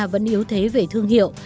vẫn yếu thế về thương hiệu